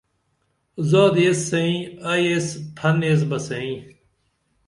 زادی ایس سئں ائی ایس پھن ایس بہ سئں